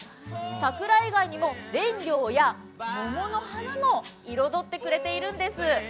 桜以外にもレンギョウや桃の花も彩ってくれてるんです。